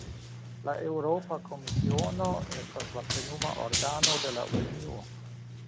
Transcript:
La Eŭropa Komisiono estas la plenuma organo de la Unio.